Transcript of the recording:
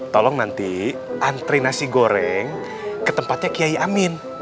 tolong nanti antri nasi goreng ke tempatnya kiai amin